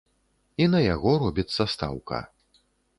І на яго робіцца стаўка.